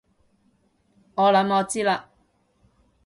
我諗我知喇